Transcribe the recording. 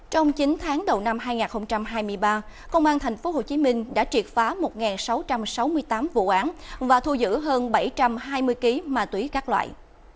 trong chín tháng đầu năm hai nghìn hai mươi ba công an tp hcm đã triệt phá một sáu trăm sáu mươi tám vụ án và thu giữ hơn bảy trăm hai mươi kg ma túy các loại